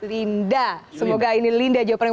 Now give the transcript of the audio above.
linda semoga ini linda jawab paling